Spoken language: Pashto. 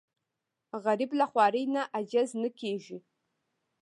غریب له خوارۍ نه عاجز نه کېږي